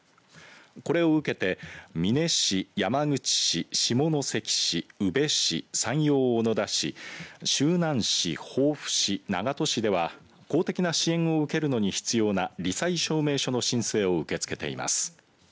これを受けて美祢市山口市、下関市、宇部市山陽小野田市周南市、防府市、長門市では公的な支援受けるのに必要なり災証明書の申請を受け付けています。